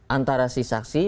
antara si saksi